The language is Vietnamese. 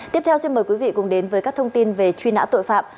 tiếp theo xin mời quý vị cùng đến với các thông tin về truy nã tội phạm